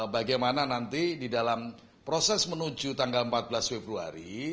bagaimana nanti di dalam proses menuju tanggal empat belas februari